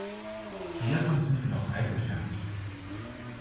Hiervon sind wir noch weit entfernt.